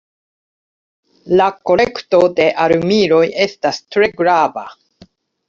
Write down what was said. La kolekto de armiloj estas tre grava.